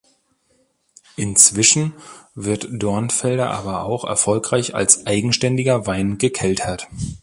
Inzwischen wird Dornfelder aber auch erfolgreich als eigenständiger Wein gekeltert.